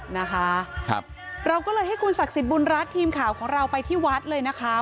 นะคะครับเราก็เลยให้คุณศักดิ์สิทธิบุญรัฐทีมข่าวของเราไปที่วัดเลยนะคะ